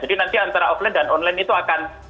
jadi nanti antara offline dan online itu akan